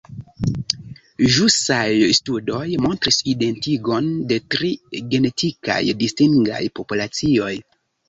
Ĵusaj studoj montris identigon de tri genetikaj distingaj populacioj.